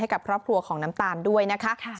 กับครอบครัวของน้ำตาลด้วยนะคะ